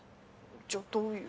じゃどういう。